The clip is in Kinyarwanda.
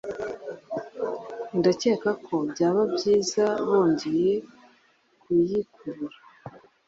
Ndakeka ko byaba byiza bongeye kuyikurura